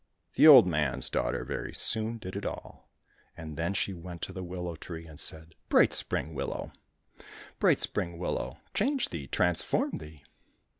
The old man's daughter very soon did it all, and then she went to the willow tree and said, " Bright spring willow, 151 COSSACK FAIRY TALES bright spring willow, change thee, transform thee